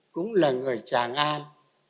cũng là người tràng an